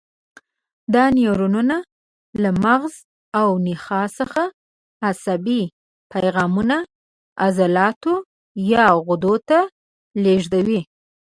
دا نیورونونه له مغز او نخاع څخه عصبي پیغامونه عضلاتو یا غدو ته لېږدوي.